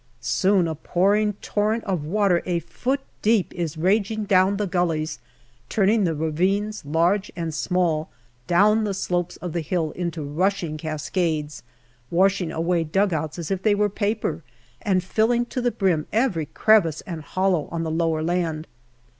Soon a pouring torrent of water a foot deep is raging down the gullies, turning the ravines, large and small, down the slopes of the hill into rushing cascades, washing away dugouts as if they were paper, and filling to the brim every 272 GALLIPOLI DIARY crevice and hollow on the lower land.